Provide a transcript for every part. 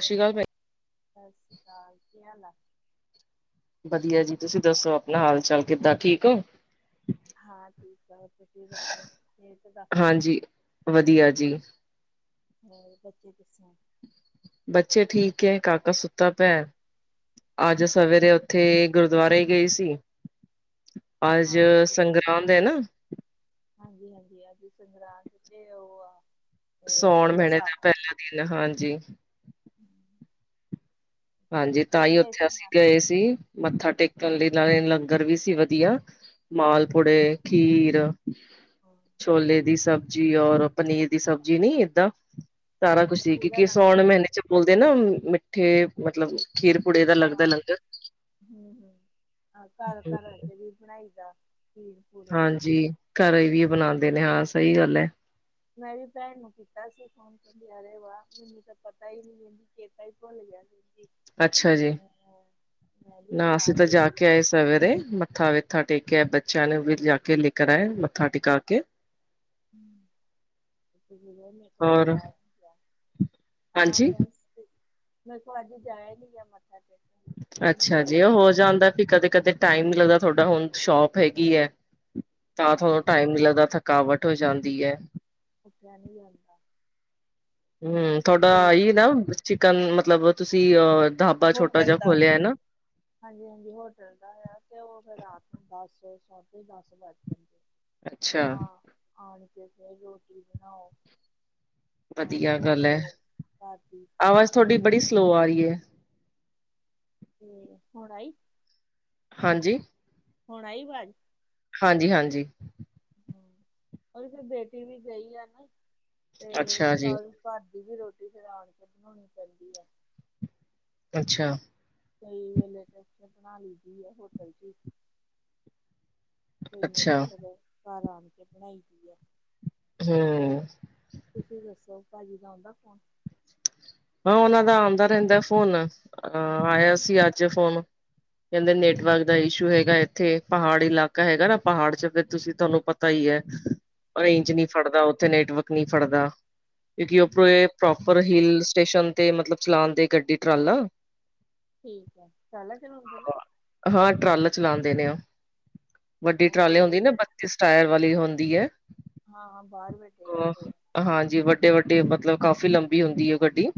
ਸਾਸਰੀ ਕਾਲ ਭੈਣ ਸਾਸਰੀ ਕਾਲ ਕੀ ਹਾਲ ਆ? ਵਧੀਆ ਜੀ ਤੁਸੀਂ ਦੱਸੋ ਆਪਣਾ ਹਾਲ ਚਾਲ ਕਿੱਦਾਂ ਠੀਕ ਓ? ਹਾਂ ਠੀਕ ਆ ਤੁਸੀਂ ਦੱਸੋ ਸਿਹਤ ਦਾ। ਹਾਂਜੀ, ਵਧੀਆ ਜੀ। ਹੋਰ ਬੱਚੇ ਕਿਸ ਤਰ੍ਹਾ? ਬੱਚੇ ਠੀਕ ਏ ਕਾਕਾ ਸੁੱਤਾ ਪਿਆ। ਅੱਜ ਸਵੇਰੇ ਉੱਥੇ ਗੁਰਦੁਆਰੇ ਹੀ ਗਈ ਸੀ। ਹਾਂ ਅੱਜ ਸੰਗ ਸੰਗਰਾਂਦ ਹੈ ਨਾ। ਹਾਂਜੀ-ਹਾਂਜੀ ਅੱਜ ਸੰਗਰਾਂਦ ਤੇ ਉਹ ਆ ਤੇ ਸਾਉਣ ਪਹਿਲਾ ਮਹੀਨੇ ਸਾਲ ਦਾ ਪਹਿਲਾ ਦਿਨ ਹਾਂਜੀ। ਹੂੰ ਹਾਂਜੀ ਤਾਂ ਹੀ ਉੱਥੇ ਸੀ ਅਸੀਂ ਨਾਲ ਗਏ ਸੀ। ਮੱਥਾ ਟੇਕਣ ਲਈ ਨਾਲੇ ਲੰਗਰ ਵੀ ਸੀ ਵਧੀਆ, ਮਾਲਪੂੜੇ, ਖੀਰ। [unintelligible] ਹਾਂ ਛੋਲੇ ਦੀ ਸਬਜ਼ੀ ਔਰ ਪਨੀਰ ਦੀ ਸਬਜ਼ੀ ਨੀ ਏਦਾਂ। ਸਾਰਾ ਕੁਛ ਅੱਛਾ ਸੀ ਪੂਰਾ ਕਿਉਂਕਿ ਲੰਗਰ ਸਾਉਣ ਹੀ। ਮਹੀਨੇ 'ਚ ਬੋਲਦੇ ਨਾ ਮਿੱਠੇ ਮਤਲਬ ਖੀਰ ਪੁੂੜੇ ਹਾਂ, ਹੂੰ-ਹੂੰ ਘਰ ਘਰਾਂ 'ਚ ਵੀ ਬਣਾਈ ਦਾ। ਖੀਰ ਪੂੜੇ ਹਾਂਜੀ, ਘਰ ਵੀ ਬਣਾਦੇ ਨੇ ਹਾਂ ਸਹੀ ਗੱਲ ਐ। ਮੈਂ ਵੀ ਭੈਣ ਨੂੰ ਕੀਤਾ ਸੀ ਫੋਨ। ਕਹਿੰਦੀ ਅਰੇ ਵਾਹ ਮੈਨੂੰ ਤਾਂ ਪਤਾ ਹੀ ਨੀ ਕਹਿੰਦੀ ਚੇਤਾ ਹੀ ਭੁੱਲ ਗਿਆ ਕਹਿੰਦੀ। ਅੱਛਾ ਜੀ, ਮੈਂ ਮੈਂ ਵੀ ਨਾ ਬਣਾ ਅਸੀਂ ਤਾਂ ਜਾ ਕੇ ਤੂੰ ਆਏ ਸਵੇਰੇ ਮੱ ਮੱਥਾ ਮੁੱਥਾ ਟੇਕਿਆ ਬੱਚਿਆਂ ਨੂੰ ਵੀ ਜਾ ਕੇ ਲੇਕਰ ਆਏ ਮੱਥਾ ਟਿਕਾ ਕੇ। ਹੂੰ, ਮੇਰੇ ਤੋਂ ਔਰ ਜਾਇਆ ਨੀ ਗਿਆ। ਹਾਂ ਹਾਂਜੀ ਬਸ ਕੇ [inaudible] ਮੈਥੋ ਅੱਜ ਜਾਇਆ ਨੀ ਗਿਆ ਮੱਥਾ ਟੇਕਣ। ਇਹ ਨਹੀਂ ਅੱਛਾ ਲੈ ਜੀ ਉਹ ਕੇ ਹੋ ਗਿਆ ਜਾਂਦਾ ਵੀ ਕਦੇ ਕਦੇ ਟਾਈਮ ਨੀ ਲੱਗਦਾ ਤੁਹਾਡਾ ਹੁਣ ਸ਼ੋਪ ਹੈਗੀ ਹੈ, ਤਾਂ ਥੋੜਾ ਹਾਂਜੀ ਟਾਈਮ ਨੀ ਲੱਗਦਾ ਥ ਥਕਾਵਟ ਹੋ ਜਾਂਦੀ ਏ। ਉਠਿਆ ਨੀ ਜਾਂਦਾ। ਹੂੰ ਤੁਹਾਡਾ ਸਵੇਰੇ ਆਹੀ ਸਵੇਰੇ ਨਾ ਚਿਕਨ ਮਤਲਬ ਤੁਸੀਂ ਅ ਢਾਬਾ ਛੋਟਾ ਹੋਟਲ ਜਿਹਾ ਦਾ। ਖੋਲਿਆ ਹੈ ਨਾ ਹਾਂਜੀ-ਹਾਂਜੀ ਹੋਟਲ ਦਾ ਹੈ ਤੇ ਉਹ ਫਿਰ ਰਾਤ ਨੂੰ ਦਸ ਸਾਢੇ ਦਸ ਵੱਜ ਜਾਂਦੇ। ਅੱਛਾ ਹਾਂ, ਆਣ ਕੇ ਫਿਰ ਰੋਟੀ ਬਣਾਓ। ਵਧੀਆ ਆਵੇ ਚ ਗੱਲ ਐ। ਭਾਬੀ ਆਵਾਜ਼ ਤੇ ਤੁਹਾਡੀ ਪਾਰਟੀ ਬੜੀ ਸਲੋ ਆ ਰਹੀ ਏ। ਤੇ ਹੁਣ ਆਈ। ਹਾਂਜੀ। ਹੁਣ ਆਈ ਵਾਜ। ਹਾਂਜੀ-ਹਾਂਜੀ। ਹੂੰ, ਉਹ ਵੀ ਫਿਰ ਬੇਟੀ ਵੀ ਗਈ ਆ ਨਾ ਤੇ ਅੱਛਾ ਜੀ ਸਾਰੇ ਘਰ ਦੀ ਵੀ ਰੋਟੀ ਫਿਰ ਆਪ ਨੂੰ ਬਣਾਉਣੀ ਪੈਂਦੀ ਆ। ਅੱਛਾ। ਕਈ ਵੇਲੇ ਤੇ ਇੱਥੇ ਬਣਾ ਲਈ ਦੀ ਏ, ਹੋਟਲ 'ਚ ਈ। ਕੋਈ ਵੇਲੇ ਅੱਛਾ ਫਿਰ, ਘਰ ਆਣ ਕੇ ਬਣਾਈ ਦੀ ਆ। ਹਮ। ਤੁਸੀਂ ਦੱਸੋ ਭਾਜੀ ਦਾ ਆਉਂਦਾ ਫੌਣ। ਹਾਂ, ਉਹਨਾਂ ਦਾ ਆਉਂਦਾ ਰਹਿੰਦਾ ਫੋਨ, ਅਹ ਆਇਆ ਸੀ ਅੱਜ ਫੋਨ। ਕਹਿੰਦੇ ਨੈਟਵਰਕ ਦਾ ਇਸ਼ੂ ਹੈਗਾ ਇੱਥੇ, ਪਹਾੜ ਇਲਾਕਾ ਹੈਗਾ ਨਾ ਪਹਾੜ ਚ ਤੁਸੀਂ ਤੁਹਾਨੂੰ ਪਤਾ ਤਾਂ ਹੀ ਹੈ। ਰੇਂਜ ਫੋਨ ਨੀ ਫੜਦਾ ਉੱਥੇ ਨੈਟਵਰਕ ਨੀ ਫੜਦਾ, ਕਿਉਂਕਿ ਉਪਰ ਪ੍ਰੋਪਰ ਹਿਲਸ ਸਟੇਸ਼ਨ ਤੇ ਮਤਲਬ ਚਲਾਉਣ ਦੇ ਗੱਡੀ ਟਰਾਲਾ। ਠੀਕ ਹੈ ਟਰਾਲਾ ਚਲਾਉਂਦੇ ਨਾ। ਹਾਂ, ਟਰਾਲ ਚਲਾਉਂਦੇ ਨੇ ਉਹ, ਵੱਡੀ ਹਾਂ ਟਰਾਲੇ ਉਹਦੇ ਹੁੰਦੀ ਵੀ ਨਾ ਟਾਇਰ ਵਾਲੀ ਹੈ। ਹਾਂ ਬਾਹਰ ਬੈਠੇ ਹੀ ਹੁੰਦੇ ਆ। ਹਾਂਜੀ, ਵੱਡੇ-ਵੱਡੇ ਮਤਲਬ ਕਾਫੀ ਲੰਬੀ ਹੁੰਦੀ ਹੈ ਉਹ ਗੱਡੀ।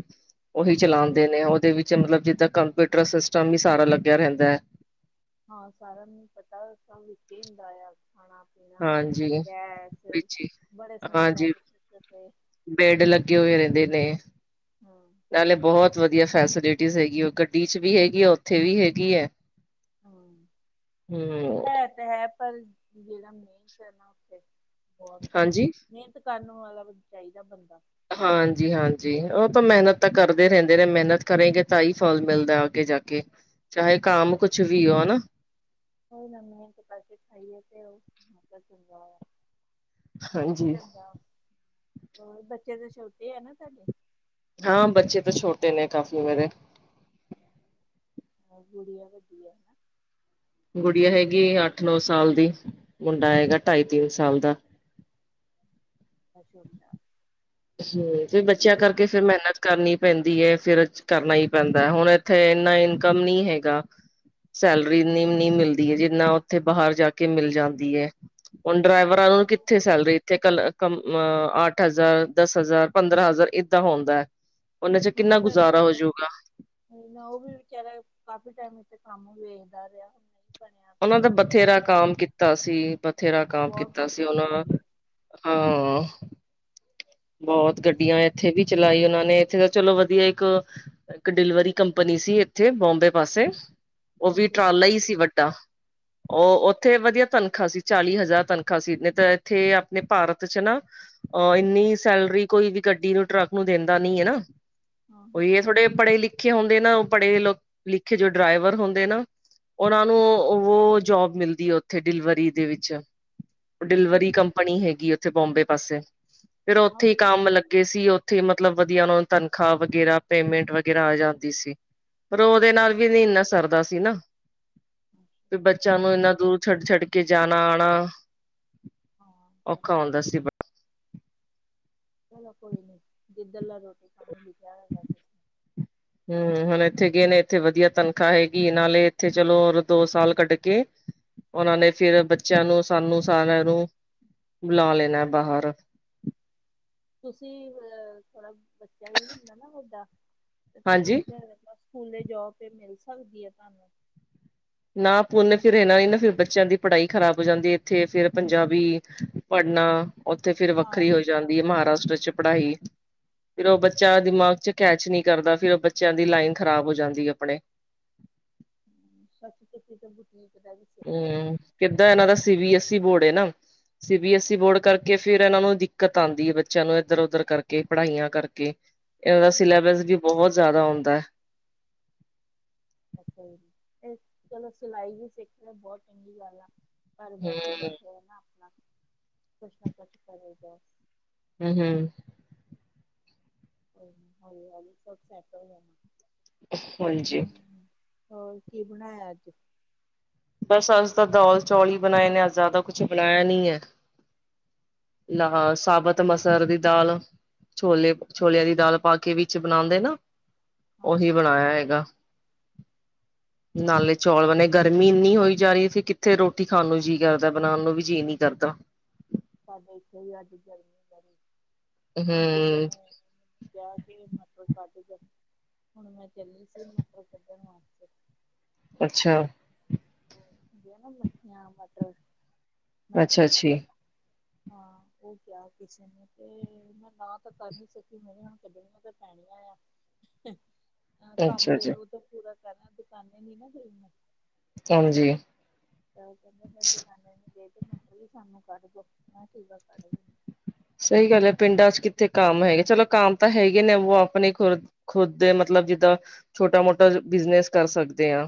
ਉਹੀ ਹੂੰ, ਚਲਾਉਂਦੇ ਨੇ ਉਹਦੇ ਵਿੱਚ ਮਤਲਬ ਜਿੱਦਾਂ ਕੰਪਿਊਟਰ ਸਿਸਟਮ ਵੀ ਸਾਰਾ ਲੱਗਿਆ ਰਹਿੰਦਾ ਹੈ। ਹਾਂ, ਸਾਰਿਆਂ ਨੂੰ ਪਤਾ ਸਭ ਵਿੱਚੇ ਹੁੰਦਾ ਆ ਖਾਣਾ। [unintelligible] ਹਾਂਜੀ ਗੈਸ, ਵਿੱਚ ਹੀ ਬੜੇ ਸੋਹਣੇ ਹਾਂਜੀ ਬੈਡਸ਼ੀਟ ਬੈਡ ਲੱਗੇ ਹੋਏ ਰਹਿੰਦੇ ਨੇ। ਹਮ। ਨਾਲੇ ਬਹੁਤ ਵਧੀਆ ਫੈਸਿਲਿਟੀ ਹੈਗੀ ਆ ਗੱਡੀ 'ਚ ਵੀ ਹੈਗੀ ਆ ਉੱਥੇ ਵੀ ਹੈਗੀ ਹੈ। ਹਾਂ ਹਮ। ਹੈ ਹੈ ਪਰ ਜਿਹੜਾ ਮੇਨਤ ਕਰਨਾ ਉੱਥੇ ਬਹੁਤ ਹਾਂਜੀ ਮ ਮੇਹਨਤ ਕਰਨ ਵਾਲਾ ਚਾਹੀਦਾ ਬੰਦਾ। ਹਾਂਜੀ-ਹਾਂਜੀ ਉਹ ਤਾਂ ਮਿਹਨਤ ਤਾਂ ਕਰਦੇ ਰਹਿੰਦੇ ਨੇ, ਮਿਹਨਤ ਕਰੇਗੇ ਤਾਂ ਹੀ ਫਲ ਮਿਲਦਾ ਅੱਗੇ ਜਾ ਕੇ। ਚਾਹੇ ਕਾਮ ਕੁਛ ਵੀ ਹੋ ਹਨਾ। ਕੋਈ ਨਾ ਮੇਹਨਤ ਇੱਕ ਪਸੇ ਖਾਈਏ ਤੇ ਉਹ ਖਾਧਾ ਚੰਗਾ ਆ। ਹਾਂਜੀ ਚੰਗਾ। ਹੋਰ ਬੱਚੇ ਤਾਂ ਛੋਟੇ ਆ ਨਾ ਤੁਹਾਡੇ। ਹਾਂ, ਬੱਚੇ ਤਾਂ ਛੋਟੇ ਨੇ ਕਾਫ਼ੀ ਮੇਰੇ। ਗੁੜੀਆ ਵੱਡੀ ਹੈ ਹਨਾ। ਗੁੜੀਆ ਹੈਗੀ ਅੱਠ-ਨੌ ਸਾਲ ਦੀ, ਮੁੰਡਾ ਹੈਗਾ ਢਾਈ-ਤਿੰਨ ਸਾਲ ਦਾ। ਅੱਛਾ ਛੋਟਾ ਏ। ਹਮ, ਬੱਚਿਆਂ ਕਰਕੇ ਫਿਰ ਮਿਹਨਤ ਕਰਨੀ ਪੈਂਦੀ ਹੈ। ਫਿਰ ਕਰਨਾ ਹੀ ਪੈਂਦਾ ਹੁਣ ਇੱਥੇ ਇੰਨਾ ਇਨਕਮ ਨੀ ਹੈਗਾ। ਸੈਲਰੀ ਨੀ-ਨੀ ਮਿਲਦੀ ਐ ਜਿੰਨਾ ਉੱਥੇ ਬਾਹਰ ਜਾ ਕੇ ਮਿਲ ਜਾਂਦੀ ਐ। ਹੁਣ ਡਰਾਈਵਰਾਂ ਨੂੰ ਕਿੱਥੇ ਹਾਂ ਸੈਲਰੀ ਇੱਥੇ ਕ ਅੱਠ ਹਜ਼ਾਰ ਦਸ ਹਜ਼ਾਰ-ਪੰਦਰਾਂ ਹਜ਼ਾਰ ਏਦਾਂ ਹੁੰਦਾ ਐ, ਉਹਨਾਂ ਚ ਕਿੰਨਾ ਗੁਜ਼ਾਰਾ ਹੋਜੂਗਾ। ਕੋਈ ਨਾ ਉਹ ਵੀ ਵਿਚਾਰਾ ਕਾਫੀ ਟਾਈਮ ਇੱਥੇ ਕੰਮ ਵੇਚਦਾ ਰਿਹਾ ਬਣਿਆ ਤੇ ਉਹਨਾਂ ਦਾ ਕੰਮ ਬਥੇਰਾ ਬਾਹਰ ਜਾਣਾ ਕਾਮ ਪਿਆ ਕੀਤਾ ਸੀ, ਬਥੇਰਾ ਕਾਮ ਬਹੁਤ ਕੀਤਾ ਸੀ ਕੋਸ਼ਿਸ਼ ਉਹਨਾਂ ਕੀਤੀ ਹੈ ਹਾਂ। ਬਹੁਤ ਇਸ ਗੱਡੀਆਂ ਇਥੇ ਵੀ ਚਲਾਈ ਉਹਨਾਂ ਨੇ, ਇੱਥੇ ਤਾਂ ਚਲੋ ਵਧੀਆ ਇੱਕ ਇੱਕ ਡਿਲਵਰੀ ਕੰਪਨੀ ਸੀ ਇੱਥੇ ਬੋਂਬੇ ਪਾਸੇ ਉਹ ਵੀ ਅੱਛਾ ਅੱਛਾ ਟਰਾਲਾ ਹੀ ਸੀ ਵੱਡਾ। ਉਹ ਉੱਥੇ ਵਧੀਆ ਤਨਖਾਹ ਸੀ ਚਾਲੀ ਹਜ਼ਾਰ ਤਨਖਾਹ ਸੀ। ਨਹੀਂ ਤਾਂ ਇੱਥੇ ਆਪਣੇ ਭਾਰਤ ਚ ਨਾ ਅ ਹਾਂ ਇੰਨੀ ਸੈਲਰੀ ਕੋਈ ਵੀ ਗੱਡੀ ਨੂੰ, ਟਰੱਕ ਨੂੰ ਦਿੰਦਾ ਨੀ ਐਨਾ। ਹਾਂ ਹਾਂ ਉਹੀ ਥੋੜੇ ਪੜ੍ਹੇ ਲਿਖੇ ਹੁੰਦੇ ਨਾ, ਉਹ ਪੜ੍ਹੇ ਲਿਖੇ ਜੋ ਡਰਾਈਵਰ ਹੁੰਦੇ ਨਾ ਉਹਨਾਂ ਨੂੰ ਉਹ ਜੋਬ ਮਿਲਦੀ ਐ ਉੱਥੇ ਡਿਲਵਰੀ ਦੇ ਵਿੱਚ। ਡਿਲਵਰੀ ਠੀਕ ਕੰਪਨੀ ਹੈਗੀ ਉੱਥੇ ਬੋਂਬੇ ਪਾਸੇ। ਫੇਰ ਆ ਓਥੇ ਈ ਤਾਂ ਬਸ ਕੰਮ ਲੱਗੇ ਸੀ ਓ। ਓਥੇ ਮਤਲਬ ਵਧੀਆ ਓਨਾ ਨੂੰ ਤਨਖ਼ਾਹ ਵਗੈਰਾ ਪੇਮੈਂਟ ਵਗੈਰਾ ਆ ਜਾਂਦੀ ਸੀ। ਪਰ ਓਦੇ ਨਾਲ ਇਸ ਵੀ ਨੀ ਏਨਾ ਸਰਦਾ ਸੀ ਨਾ, ਅੱਛਾ ਵੀ ਅੱਛਾ, ਬੱਚਿਆਂ ਨੂੰ ਨਹੀਂ ਏਨਾ ਦੂਰ ਛੱਡ-ਛੱਡ ਕੇ ਕੇ ਜਾਣਾ ਆਣਾ। ਹਾਂ ਓ ਤਾਂ ਹੈ। ਸੀ ਚਲੋ ਕੋਈ ਨੀ ਜਿੱਧ ਲਾ ਰੋਟੀ ਪਾਣੀ ਲਿਖਿਆ ਹੈਗਾ ਕਿਸ [inaudible] ਹੂੰ ਹੁਣ ਐਥੇ ਗਏ ਨੇ ਏਥੇ ਵਧੀਆ ਤਨਖਾਹ ਹੈਗੀ ਨਾਲੇ ਏਥੇ ਚਲੋ ਔਰ ਦੋ ਸਾਲ ਕੱਢ ਕੇ। ਓਨਾਂ ਨੇ ਫੇਰ ਬੱਚਿਆਂ ਨੂੰ ਸਾਨੂੰ ਸਾਰਿਆਂ ਨੂੰ ਬੁਲਾ ਲੈਣਾ ਬਾਹਰ। ਤੁਸੀਂ ਥੋੜਾ ਬੱਚਾ ਵੀ ਹੁੰਦਾ ਨਾ ਵੱਡਾ ਤੇ ਤੁਸੀ ਹਾਂਜੀ ਇੱਥੇ ਆ ਜਿਆ ਕਰੋ। ਪੂਨੇ ਜੋਬ ਫੇਰ ਮਿਲ ਸਕਦੀ ਏ ਤਾਨੂੰ। ਨਾ ਫੇਰ ਪੂਨੇ ਏਨਾਂ ਈ ਨਾ ਬੱਚਿਆਂ ਦੀ ਪੜ੍ਹਾਈ ਖ਼ਰਾਬ ਹੋ ਜਾਂਦੀ, ਏਥੇ ਫੇਰ ਪੰਜਾਬੀ ਪੜ੍ਹਨਾ ਓਥੇ ਫੇਰ ਹਾਂ ਵੱਖਰੀ ਹੋ ਜਾਂਦੀ ਐ ਮਾਰਾਸ਼ਟਰ 'ਚ ਪੜ੍ਹਾਈ, ਫੇਰ ਓ ਬੱਚਾ ਦਿਮਾਗ 'ਚ ਕੈਚ ਨੀ ਕਰਦਾ, ਫੇਰ ਓ ਬੱਚਿਆਂ ਦੀ ਲਾਈਨ ਖ਼ਰਾਬ ਹੋ ਜਾਂਦੀ ਆਪਣੇ। ਹੂੰ ਸੱਚੀ ਤੁਸੀਂ ਤਾਂ ਬੁਟੀਕ ਦਾ ਵੀ ਸਿੱਖ ਰਏ ਨਾ। ਹਮ ਕਿੱਦਾਂ ਏਨਾਂ ਦਾ ਸੀ-ਬੀ-ਐਸ-ਈ ਬੋਡ ਏ ਨਾ। ਸੀ-ਬੀ-ਐਸ -ਈ ਬੋਰਡ ਕਰਕੇ ਫੇਰ ਏਨਾਂ ਨੂੰ ਦਿੱਕਤ ਆਂਦੀ, ਬੱਚਿਆਂ ਨੂੰ ਏਧਰ-ਓਧਰ ਕਰਕੇ ਪੜ੍ਹਾਈਆਂ ਕਰਕੇ। ਏਨਾ ਦਾ ਹਮ। ਸਿਲੇਬਸ ਵੀ ਬੋਹਤ ਜ਼ਾਦਾ ਹੁੰਦਾ। ਓਕੇ ਏ ਚਲੋ ਸਿਲਾਈ ਵੀ ਸਿੱਖ ਲੇ ਬੋਤ ਚੰਗੀ ਗੱਲ ਆ। ਘਰ ਬੈਠੇ ਹਮ ਬੈਠੇ ਓ ਨਾ ਆਪਣਾ ਕੁਛ ਨਾ ਕੁਛ ਕਰੇ ਬਸ। ਊੰ ਹੂੰ। ਕੋਈ ਗਲ ਨੀ ਹੋਲੀ ਹੋਲੀ ਸਭ ਸੈਟ ਹੋ ਜਾਣਾ। ਹਾਂਜੀ ਹੂੰ ਹੋਰ ਕੀ ਬਣਾਇਆ ਅੱਜ। ਬਸ ਅੱਜ ਤਾਂ ਦਾਲ ਚੌਲ ਈ ਬਣਾਏ ਨੇ, ਅੱਜ ਜ਼ਾਦਾ ਕੁਛ ਬਣਾਇਆ ਨੀ ਏ। ਲਗਾ ਸਾਬਤ ਮਸਰ ਦੀ ਦਾਲ। ਛੋਲੇ ਛੋਲਿਆਂ ਦੀ ਦਾਲ ਪਾ ਕੇ ਵਿੱਚ ਬਣਾਉਂਦੇ ਨਾ। ਹਾਂ ਓਹੀ ਹਾਂ ਬਣਾਇਆ ਹੈਗਾ, ਨਾਲੇ ਚੌਲ ਬਣੇ ਗਰਮੀ ਮੀ ਏਨੀ ਹੋਈ ਜਾ ਰੀ ਫਿਰ ਕਿੱਥੇ ਰੋਟੀ ਖਾਣ ਨੂੰ ਜੀਅ ਕਰਦਾ, ਬਣਾਣ ਨੂੰ ਵੀ ਜੀਅ ਨੀ ਕਰਦਾ। ਸਾਡੇ ਏਥੇ ਹੀ ਅੱਜ ਗਰਮੀ ਬੜੀ, ਹੁਣ ਕਿਸੇ ਹਮ ਨੇ ਕਿਆ ਕੇ ਮਟਰ ਕੱਡ ਜੋ, ਹੁਣ ਮੈਂ ਚੱਲੀ ਸੀ ਮਟਰ ਕੱਢਣ ਵਾਸਤੇ। ਅੱਛਾ। ਓ ਹੁੰਦੀਆਂ ਨਾ ਮੱਠੀਆਂ, ਮਟਰ, ਅੱਛਾ ਮਟਰੀ। ਜੀ, ਹਾਂ ਓ ਕਿਆ ਕਿਸੇ ਨੇ ਤੇ ਮੈਂ ਨਾ ਤਾਂ ਕਰ ਨੀ ਸਕੀ, ਮੈਂ ਕਿਆ ਹੁਣ ਕਢ ਪਾਣੀ ਆਇਆ। ਅ ਕੰਮ ਅੱਛਾ ਜੀ, ਜੇੜਾ ਓਦਾ ਪੂਰਾ ਕਰਨਾ, ਆ ਦਕਾਨੇ ਨੀ ਨਾ ਗਈ ਮੈਂ। ਹਾਂਜੀ। ਤੇ ਓ ਕੈਂਦੇ ਮੈਂ ਦੁਕਾਨੇ ਨੀ ਗਈ ਤੇ ਮਟਰ ਵੀ ਸਾਨੂੰ ਕੱਢ ਦੋ, ਮੈਂ ਠੀਕ ਆ ਕੱਢ ਦਿੰਨੇ। ਸਈ ਗੱਲ ਐ, ਪਿੰਡਾਂ 'ਚ ਕਿੱਥੇ ਕਾਮ ਹੈਗੇ, ਚਲੋ ਕਾਮ ਤਾਂ ਹੈਗੇ ਨੇ ਵੋ ਆਪਣੇ ਖੁਰ ਖੁਦ ਦੇ ਮਤਲਬ ਜਿੱਦਾਂ ਛੋਟਾ-ਮੋਟਾ ਬਿਜਨਸ ਕਰ ਸਕਦੇ ਆਂ।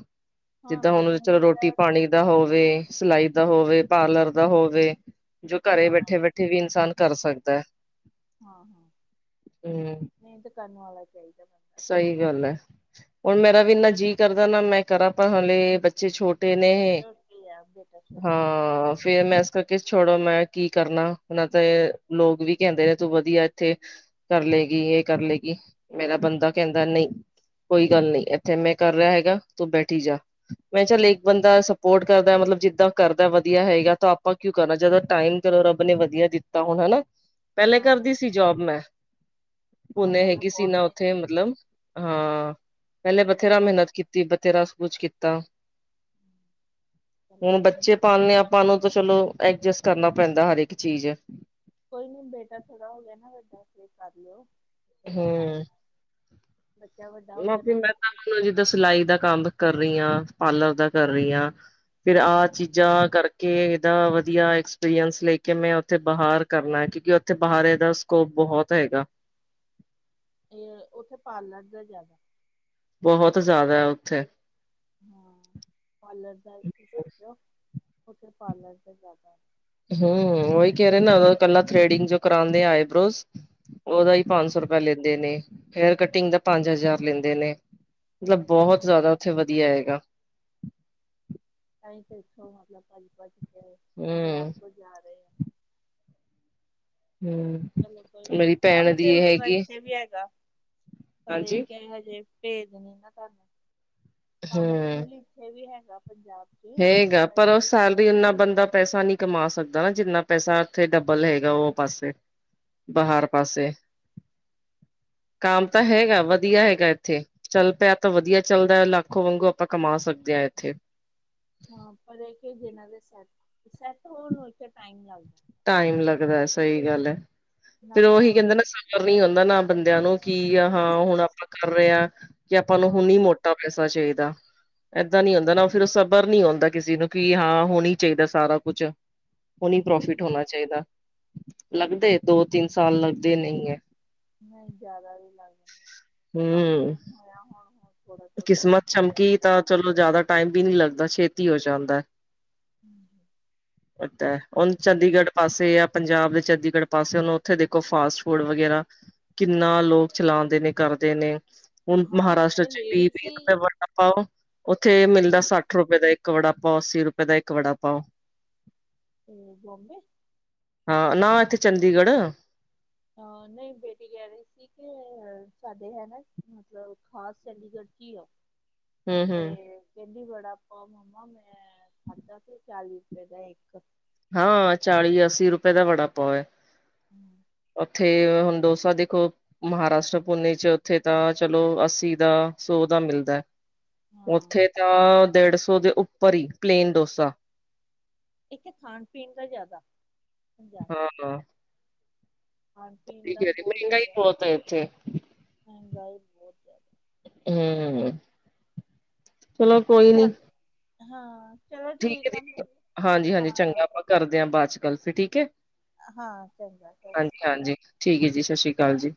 ਹਾਂ ਜਿੱਦਾਂ ਹੁਣ ਬਿਜ਼ਨਸ ਚੱਲੋ ਰੋਟੀ ਜਿਹੜਾ ਪਾਣੀ। ਦਾ ਹੋਵੇ, ਸਿਲਾਈ ਦਾ ਹੋਵੇ, ਪਾਰਲਰ ਦਾ ਹੋਵੇ, ਜੋ ਘਰੇ ਹਾਂ ਬੈਠੇ-ਬੈਠੇ ਵੀ ਇਨਸਾਨ ਕਰ ਸਕਦਾ ਐਵ ਹਾਂ-ਹਾਂ ਮੇਨਤ ਕਰਨ ਵਾਲਾ ਚਾਈਦਾ ਬਸ। ਸਈ ਗੱਲ ਐ, ਹੁਣ ਮੇਰਾ ਵੀ ਇੰਨਾ ਜੀਅ ਕਰਦਾ ਨਾ ਮੈਂ ਕਰਾਂ, ਪਰ ਹਾਲੇ ਬੱਚੇ ਛੋਟੇ ਦੇ ਨੇ ਛੋਟੀ ਆ ਬੇਟਾ ਛੋਟਾ ਸਾਡਾ ਹਾਂ ਫਿਰ ਮੈਂ ਇਸ ਕਰ ਕਿਸ ਛੋੜੋ ਮੈਂ ਕੀ ਕਰਨਾ ਹੁਣ ਤੇ ਲੋਕ ਵੀ ਕੈਂਦੇ ਨੇ ਤੂੰ ਵਧੀਆ ਏਥੇ ਕਰ ਲਏਗੀ, ਏ ਕਰ ਲਏਗੀ ਮੇਰਾ ਬੰਦਾ ਕੈਂਦਾ ਨਈ। ਕੋਈ ਗੱਲ ਨੀ ਏਥੇ ਮੈਂ ਕਰ ਰਿਆ ਹੈਗਾ ਤੂੰ ਬੈਠੀ ਜਾ ਮੈਂ ਚੱਲ ਇੱਕ ਬੰਦਾ ਸਪੋਰਟ ਕਰਦਾ ਮਤਲਬ ਜਿੱਦਾਂ ਕਰਦਾ ਵਧੀਆ ਹੈਗਾ ਤਾਂ ਆਪਾਂ ਕਿਉਂ ਕਰਨਾ ਜਦੋਂ ਟਾਈਮ ਕਰੋ ਰੱਬ ਨੇ ਵਧੀਆ ਦਿੱਤਾ ਹੁਣ ਹਨਾ ਪੈਲਾਂ ਹਾਂ ਕਰਦੀ ਸੀ ਜੋਬ ਮੈਂ ਹਾਂ ਹੁਣ ਏਹ ਪਹਿਲਾਂ ਕਿਸੀ ਬਹੁਤ ਨਾ ਮਿਹਨਤ ਉੱਥੇ ਕੀਤੀ ਮਤਲਬ ਹਾਂ, ਪੈਲੇ ਪਹਿਲਾਂ ਬਥੇਰਾ ਬਹੁਤ ਮਿਹਨਤ ਕੀਤੀ ਬਥੇਰਾ ਸ ਕੁਛ ਕੀਤਾ ਚਲੋ ਹੁਣ ਕੋਈ ਨੀ ਬੱਚੇ ਹੁਣੇ ਪਾਲਣੇ ਆ ਪਾਂ ਨੂੰ ਤਾਂ ਚਲੋ ਐਡਜਸਟ ਕਰਨਾ ਪੈਂਦਾ ਹਰ ਇਕ ਚੀਜ਼। ਕੋਈ ਨੀ ਬੇਟਾ ਥੋੜ੍ਹਾ ਹੋ ਗਿਆ ਨਾ ਵਡਾ ਫੇਰ ਕਰ ਲਿਓ ਬੜਾ ਹਮ ਟਾਈਮ ਐ ਬੱਚਾ ਵੱ [unintelligible] ਮੈਂ ਤਾਂ ਹੁਣ ਜਿੱਦਾਂ ਸਿਲਾਈ ਦਾ ਕੰਮ ਕਰ ਰੀ ਆ, ਪਾਰਲਰ ਦਾ ਕਰ ਰੀ ਆ ਫਿਰ ਆ ਚੀਜ਼ਾਂ ਕਰ ਕੇ ਏਦਾ ਵਧੀਆ ਐਕਸਪੀਰੀੰਸ ਲੈ ਕੇ ਮੈਂ ਉੱਥੇ ਬਾਹਰ ਕਰਨਾ ਕਿਉਂਕਿ ਉੱਥੇ ਬਾਹਰ ਏਦਾ ਸਕੋਪ ਬਹੁਤ ਹੈਗਾ। ਫੇਰ ਓਥੇ ਪਾਰਲਰ ਦਾ ਜਾਦਾ। ਬੋਹਤ ਜਾਦਾ ਉੱਥੇ। ਹਾਂ, ਪਾਰਲਰ ਦਾ ਇੱਥੇ ਸਿੱਖਿਓ ਉੱਥੇ ਪਾਰਲਰ ਦਾ ਜਾਦਾ ਐ। ਹੂੰ, ਓਹੀ ਕੈ ਰੇ ਨੇ ਓਦਾ ਕੱਲਾ ਥਰੇਡਿੰਗ ਜੋ ਕਰਾਂਦੇ ਆ ਆਈਬ੍ਰੋਜ ਓਦਾ ਹੀ ਹੂੰ ਪੰਜ ਸੌ ਰੁਪ [unintelligible] ਲੈਂਦੇ ਨੇ ਹੇਅਰ ਕਟਿੰਗ ਦਾ ਪੰਜ ਹਜ਼ਾਰ ਲੈਂਦੇ ਨੇ ਮਤਲਬ ਬੋਹਤ ਜਾਦਾ ਉੱਥੇ ਵਧੀਆ ਹੈਗਾ। ਅਸੀਂ ਤਾਂ ਇੱਥੋ ਮਤਲਬ ਭੱਜ-ਭੱਜ ਕੇ ਪੰਜਾਬ ਹਮ ਤੋਂ ਜਾ ਰੇ ਆ ਹੂੰ। ਚਲੋ ਕੋਈ ਨੀ ਕੰਮ ਤੇ ਉਸ ਸਾਈਡ ਤੇ ਵੀ ਹੈਗਾ ਪਰ ਏ ਹਾਂਜੀ ਕੈ ਹਜੇ ਭੇਦ ਨੀ ਨਾ ਤੁਹਾਨੂੰ ਕੰਮ ਤੇ ਮਤਲ ਇਥੇ ਵੀ ਹੈਗਾ ਪੰਜਾਬ ਹੈੇਗਾ ਪਰ ਸ ਸੈਲਰੀ ਇਨਾਂ ਬੰਦਾ ਪੈਸਾ ਨੀ ਕਮਾ ਸਕਦਾ ਨਾ, ਜਿੰਨਾ ਪੈਸਾ ਉੱਥੇ ਡਬਲ ਹੈਗਾ ਓ ਪਾਸੇ ਬਾਹਰ ਪਾਸੇ ਕਾਮ ਤਾਂ ਹੈਗਾ ਵਧੀਆ ਹੈਗਾ ਇੱਥੇ ਚੱਲ ਪਿਆ ਤਾਂ ਵਧੀਆ ਚੱਲਦੈ ਲਾਖੋ ਵਾਂਗੂ ਆਪਾਂ ਕਮਾ ਸਕਦੇ ਐਥੇ। ਹਾਂ, ਪਰ ਇਥੇ ਜਿਨਾਂ ਦੇ ਸੈੱਟ-ਸੈੱਟ ਹੋਣ ਨੂੰ ਇੱਥੇ ਟਾਈਮ ਲੱਗ ਟਾਈਮ ਲੱਗਦਾ ਸਈ ਗੱਲ ਐ ਫਿਰ ਨਵਾਂ ਓਹੀ ਨਵਾਂ ਕੈਂਦੇ ਨਾ ਸਬਰ ਨੀ ਹੁੰਦਾ ਨਾ ਬੰਦਿਆਂ ਨੂੰ ਕੀ ਆ ਹਾਂ, ਹੁਣ ਆਪਾਂ ਕਰ ਰਿਆ ਕੀ ਆਪਾਂ ਨੂੰ ਹਾਂ ਹੁਣੀ ਮੋਟਾ ਪੈਸਾ ਚਾਈਦਾ। ਏਦਾਂ ਨੀ ਹੁੰਦਾ ਨਾ ਓ ਫਿਰ ਸਬਰ ਨੀ ਹੁੰਦਾ ਕਿਸੀ ਨੂੰ ਕੀ ਹਾਂ ਹੁਣੀ ਚਾਈਦਾ ਸਾਰਾ ਕੁਛ। ਹੁਣੀ ਹਮ, ਪ੍ਰੋਫਿਟ ਹੋਣਾ ਚਾਈਦਾ ਲੱਗਦੇ ਦੋ ਤਿੰਨ ਸਾਲ ਲੱਗਦੇ ਨਈ ਐ। ਨਈ ਜਾਦਾ ਨੀ ਲੱਗਦੇ [inaudible] ਹਮ ਹੋਇਆ ਹੁਣ [unintelligible] ਹੁਣ ਕਿਸਮਤ ਹੋ ਰਿਹਾ ਚਮਕੀ ਸੈੱਟ ਤਾਂ ਚਲੋ ਜਾਦਾ ਟਾਈਮ ਵੀ ਨੀ ਲੱਗਦਾ ਛੇਤੀ ਹੋ ਜਾਂਦੈ। [unintelligible] ਹੁਨ ਚੰਡੀਗੜ੍ਹ ਪਾਸੇ ਯਾ ਪੰਜਾਬ ਜਾਂ ਚੰਡੀਗੜ੍ਹ ਪਾਸੇ ਹੁਣ ਉੱਥੇ ਦੇਖੋ ਫਾਸਟ ਫੂਡ ਵਗੈਰਾ ਕਿੰਨਾ ਲੋਕ ਚਲਾਂਦੇ ਨੇ ਕਰਦੇ ਨੇ, ਹੁਣ ਹਾਂ ਮਹਾਰਾਸ਼ਟਰ ਉੱਥੇ ਚ ਲੇਡੀ ਸੀ ਬੜਾ ਪਾਓ, ਉੱਥੇ ਹਾਂ ਮਿਲਦਾ ਸੱਠ ਰੁਪਏ ਦਾ ਇੱਕ ਵੜਾ ਪਾਓ ਅੱਸੀ ਰੁਪਏ ਦਾ ਇੱਕ ਵੜਾ ਪਾਓ ਓ ਬੋਮਬੇ ਹਾਂ ਨਾ ਇੱਥੇ ਚੰਡੀਗੜ੍ਹ ਹਾਂ ਬਈ ਬੇਟੀ ਕੈ ਰੀ ਸੀ ਕੇ ਸਾਡੇ ਹਨਾ ਮਤਲਬ ਖਾਸ ਚੰਡੀਗੜ੍ਹ ਕੀ ਆ, ਹੂੰ ਤੇ ਹੂੰ ਕਹਿੰਦੀ ਵੜਾ ਪਾਓ ਮੰਮਾ ਮੈਂ ਖਾਧਾ ਸੀ ਚਾਲੀ ਰੁਪਏ ਦਾ ਇੱਕ। ਹਾਂ ਚਾਲੀ ਅੱਸੀ ਰੁਪਏ ਦਾ ਵੜਾ ਪਾਓ ਏ। ਹੂੰ ਉੱਥੇ ਹੁਣ ਡੋਸਾ ਦੇਖੋ ਮਹਾਰਾਸ਼ਟਰ ਪੁੰਨੇ 'ਚ ਉੱਥੇ ਤਾਂ ਚਲੋ ਅੱਸੀ ਦਾ, ਸੌ ਦਾ ਮਿਲਦਾ। ਹਾਂ ਉੱਥੇ ਤਾਂ ਡੇਢ ਸੌ ਦੇ ਉੱਪਰ ਈ, ਪਲੇਨ ਡੋਸਾ। ਇੱਥੇ ਖਾਣ-ਪੀਣ ਦਾ ਜ਼ਿਆਦਾ, ਹੁੰਦਾ। ਹਾਂ ਖਾਣ-ਪੀਣ ਠੀਕ ਦਾ ਹੈ ਬਹੁਤ ਮਹਿੰਗਾ ਹੀ ਜ਼ਿਆਦਾ, ਬਹੁਤ ਹੈ ਇੱਥੇ ਮਹਿੰਗਾਈ ਬਹੁਤ ਜ਼ਿਆਦਾ ਹੂੰ, ਚਲੋ ਕੋਈ ਨੀ। ਚੱਲ ਹਾਂ ਚਲੋ ਹੈ ਠੀਕ ਆ, ਦੀਦੀ ਹਾਂਜੀ ਹਾਂਜੀ ਹਾਂ। ਚੰਗਾ ਆਪਾਂ ਕਰਦੇ ਆਂ ਬਾਅਦ 'ਚ ਗੱਲ ਫਿਰ ਠੀਕ ਏ। ਹਾਂ ਚੰਗਾ ਸਤਿ ਸ਼੍ਰੀ ਅਕਾਲ ਹਾਂਜੀ-ਹਾਂਜੀ। ਠੀਕ ਏ ਹੈ ਜੀ ਸਾਸ਼ਰੀ ਕਾਲ ਜੀ।